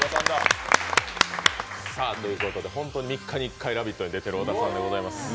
本当に３日に１回「ラヴィット！」に出ている小田さんでございます。